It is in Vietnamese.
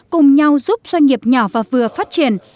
cùng nhau giúp doanh nghiệp nhỏ và vừa phát triển